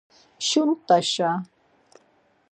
Mşut̆aşa...